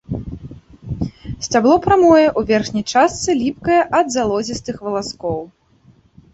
Сцябло прамое, у верхняй частцы ліпкае ад залозістых валаскоў.